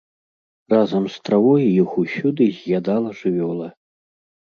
Разам з травой іх усюды з'ядала жывёла.